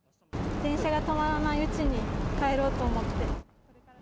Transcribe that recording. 電車が止まらないうちに帰ろうと思って。